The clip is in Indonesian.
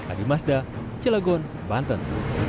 adi mazda cilagon banten